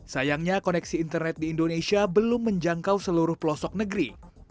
sayangnya koneksi internet di indonesia belum menjangkau seluruh pelosok negeri